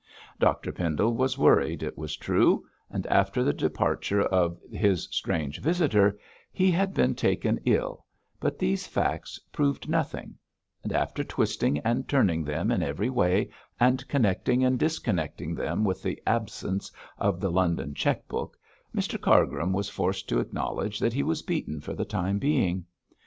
Dr Pendle was worried, it was true, and after the departure of his strange visitor he had been taken ill, but these facts proved nothing; and after twisting and turning them in every way, and connecting and disconnecting them with the absence of the London cheque book, Mr Cargrim was forced to acknowledge that he was beaten for the time being.